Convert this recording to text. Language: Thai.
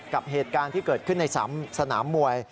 กับเหตุการณ์ที่เกิดขึ้นในสนามมวย